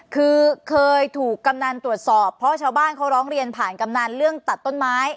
คือเคยถูกกำนันตรวจสอบเพราะชาวบ้านเขาร้องเรียนผ่านกำนันเรื่องตัดต้นไม้